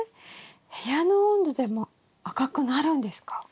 部屋の温度でも赤くなるんですか？